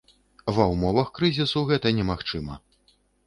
Ва ўмовах крызісу гэта немагчыма.